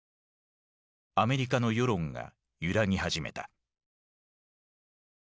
アメリカの世論が揺らぎ始めた。